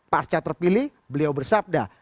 pasca terpilih beliau bersabda